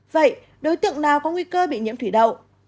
vậy đối tượng nào có nguy cơ bị nhiễm thủy đậu